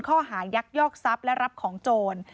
ข้อหางยักษ์ยอกทรัพย์และรับของโจร